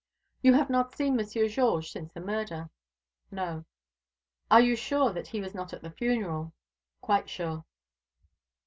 "You have not seen Monsieur Georges since the murder?" "No." "Are you sure that he was not at the funeral?" "Quite sure."